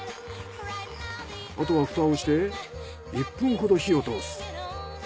あとはフタをして１分ほど火を通す。